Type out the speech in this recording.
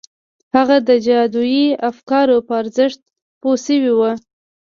هغه د جادویي افکارو په ارزښت پوه شوی و